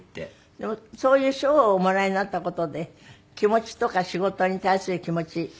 でもそういう賞をおもらいになった事で気持ちとか仕事に対する気持ちですよね。